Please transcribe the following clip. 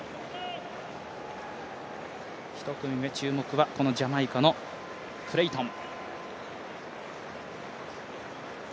１組目、注目はジャマイカのクレイトン。